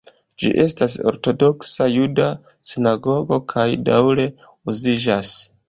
Ĝi estas ortodoksa juda sinagogo kaj daŭre uziĝas.